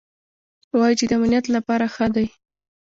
وايي چې د امنيت له پاره ښه دي.